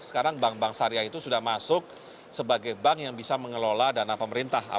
sekarang bank bank syariah itu sudah masuk sebagai bank yang bisa mengelola dana pemerintah